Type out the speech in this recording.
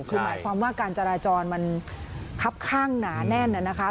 คือหมายความว่าการจราจรมันคับข้างหนาแน่นนะคะ